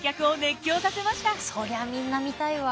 そりゃみんな見たいわ。